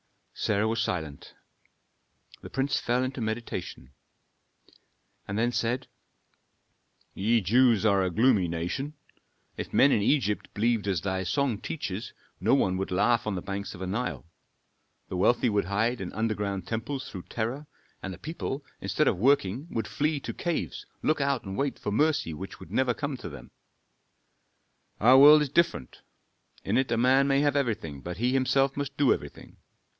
Sarah was silent; the prince fell into meditation, and then said, "Ye Jews are a gloomy nation. If men in Egypt believed as thy song teaches, no one would laugh on the banks of the Nile. The wealthy would hide in underground temples through terror, and the people, instead of working, would flee to caves, look out and wait for mercy which would never come to them. "Our world is different: in it a man may have everything, but he himself must do everything.